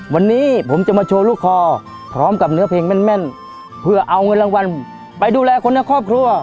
วันนี้ผมจะมาโชว์ลูกคอพร้อมกับเนื้อเพลงแม่นเพื่อเอาเงินรางวัลไปดูแลคนในครอบครัว